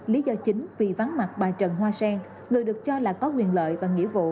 lý do chính vì vắng mặt bà trần hoa sen người được cho là có quyền lợi và nghĩa vụ